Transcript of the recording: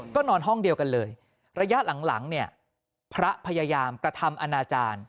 ก็นอนห้องเดียวกันเลยระยะหลังเนี่ยพระพยายามกระทำอนาจารย์